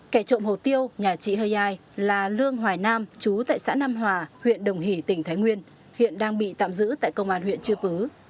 kẻ trộm hổ tiêu nhà chị hơ giai là lương hoài nam chú tại xã nam hòa huyện đồng hỷ tỉnh thái nguyên hiện đang bị tạm giữ tại công an huyện chư pứ